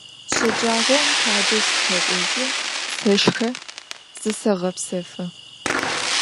Şecağom tadej sıkhek'ojı, seşşxe, zıseğepsefı.